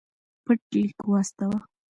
پټ لیک واستاوه.